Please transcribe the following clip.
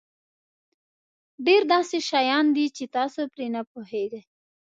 ډېر داسې شیان دي چې تاسو پرې نه پوهېږئ.